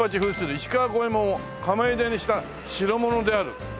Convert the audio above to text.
石川五右衛門を釜ゆでにした代物である」